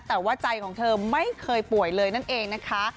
แต่ว่าใจของเธอไม่เคยป่วยเลยนั่นเองนะคะ